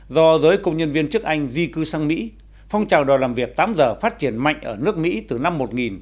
do giới công nhân viên chức anh di cư sang mỹ phong trào đòi làm việc tám giờ phát triển mạnh ở nước mỹ từ năm một nghìn chín trăm tám mươi